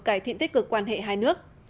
cải thiện tích cực quan hệ hai nước